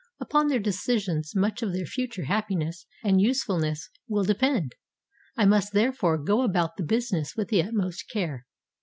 Upon their decisions much of their future happiness and usefulness will depend. I must therefore go about the business with the utmost care.